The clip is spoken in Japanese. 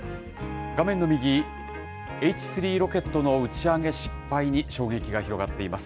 画面の右、Ｈ３ロケットの打ち上げ失敗に衝撃が広がっています。